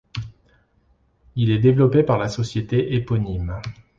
Il est développé par la société éponyme.